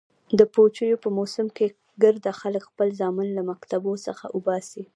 د پوجيو په موسم کښې ګرده خلك خپل زامن له مكتبو څخه اوباسي.